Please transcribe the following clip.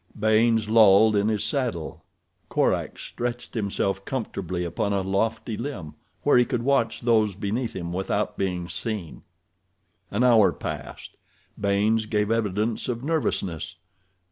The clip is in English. Baynes lolled in his saddle. Korak stretched himself comfortably upon a lofty limb, where he could watch those beneath him without being seen. An hour passed. Baynes gave evidence of nervousness.